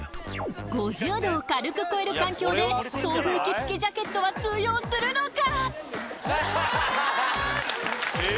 ５０℃を軽く超える環境で送風機付きジャケットは通用するのか？